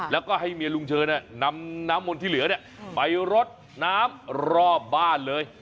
แล้วก็ให้เมียลุงเชิญนำน้ำมนต์ที่เหลือไปรดน้ำรอบบ้านเลย